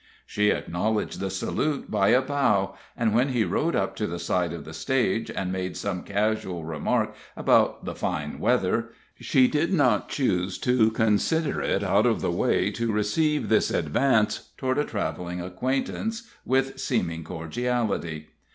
She acknowledged the salute by a bow, and when he rode up to the side of the stage, and made some casual remark about the fine weather, she did not choose to consider it out of the way to receive this advance toward a traveling acquaintance with seeming cordiality.